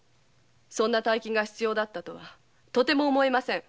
そんな大金が必要だったとは思えません。